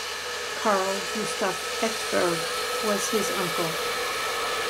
Carl Gustaf Ekeberg was his uncle.